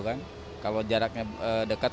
kalau jaraknya dekat